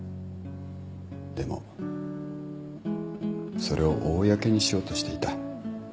でもそれを公にしようとしていた。